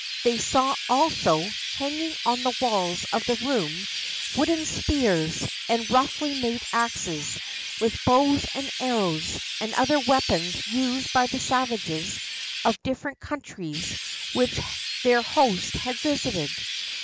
They saw also, hanging on the walls of the room, wooden spears and roughly made axes, with bows and arrows, and other weapons used by the savages of different countries which their host had visited.